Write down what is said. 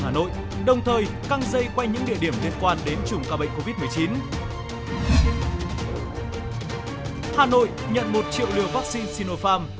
hà nội nhận một triệu liều vaccine sinopharm